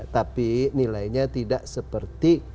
tapi nilainya tidak seperti